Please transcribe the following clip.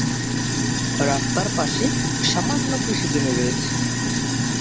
রাস্তার পাশে সামান্য কৃষি জমি রয়েছে।